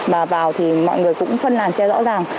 mà vào thì mọi người cũng phân làn xe rõ ràng